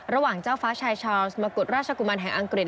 ระหว่างเจ้าฟ้าชายชาวสมกุฎราชกุมารแห่งอังกฤษ